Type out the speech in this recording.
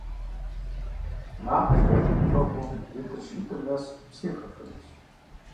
Махъшэр зэ ефэгъуэу литрэ щитIым нэс псы ефэфынущ.